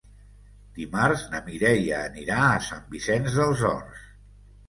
Dimarts na Mireia anirà a Sant Vicenç dels Horts.